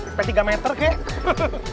seperti tiga meter kayaknya